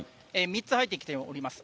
３つ入ってきております。